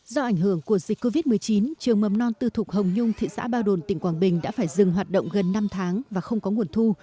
do ảnh hưởng của dịch covid một mươi chín trường mầm non tư thục hồng nhung thị xã ba đồn tỉnh quảng bình đã phải dừng hoạt động gần năm tháng và không có nguồn thu